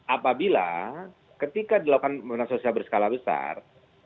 apabila ketika dilakukan pemerintah sosial berskala besar